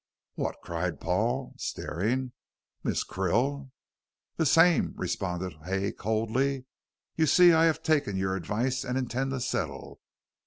"What," cried Paul, staring, "Miss Krill?" "The same," responded Hay, coldly. "You see I have taken your advice and intend to settle.